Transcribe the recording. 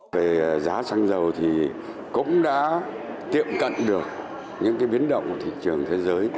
về giá xăng dầu thì cũng đã tiệm cận được những biến động của thị trường thế giới